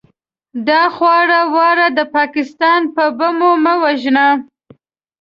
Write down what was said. دا خواره واره د پاکستان په بمو مه وژنه!